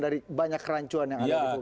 dari banyak kerancuan yang ada di publik